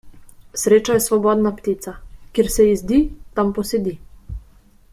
Sreča je svobodna ptica; kjer se ji zdi, tam posedi.